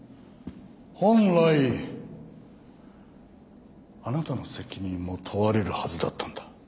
本来あなたの責任も問われるはずだったんだ。